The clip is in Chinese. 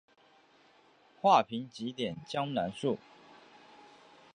画屏几点江南树。